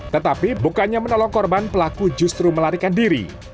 tetapi bukannya menolong korban pelaku justru melarikan diri